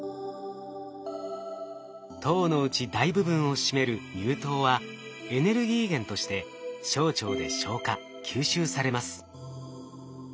糖のうち大部分を占める乳糖はエネルギー源として小腸で消化吸収されます。